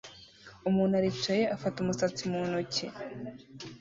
Umuntu aricaye afata umusatsi mu ntoki